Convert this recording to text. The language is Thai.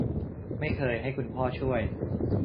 ไม่เคยให้คุณพ่อช่วย